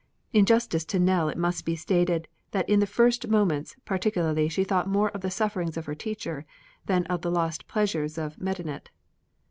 In justice to Nell it must be stated that in the first moments particularly she thought more of the sufferings of her teacher than of the lost pleasures in Medinet.